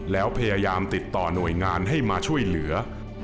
แล้วพยายามติดต่อหน่วยงานให้มาช่วยเหลือ